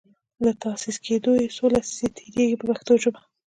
له تاسیس کیدو یې څو لسیزې تیریږي په پښتو ژبه.